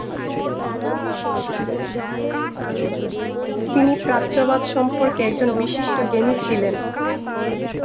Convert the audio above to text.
তিনি প্রাচ্যবাদ সম্পর্কে একজন বিশিষ্ট জ্ঞানী ছিলেন।